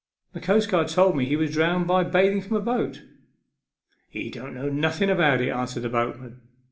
"The coastguard told me he was drowned by bathing from a boat." " He didn't know nothen about it," answered the boatman.